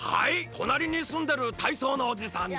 となりにすんでる体操のおじさんと。